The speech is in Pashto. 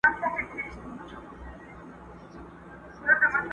تر مرګه مي په برخه دي کلونه د هجران!